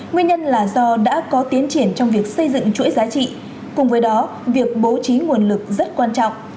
nguyên nhân là do đã có tiến triển trong việc xây dựng chuỗi giá trị cùng với đó việc bố trí nguồn lực rất quan trọng